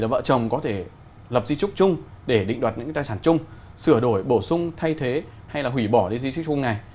vợ chồng có thể lập di trúc chung để định đoạt những tài sản chung sửa đổi bổ sung thay thế hay là hủy bỏ đi di tích chung này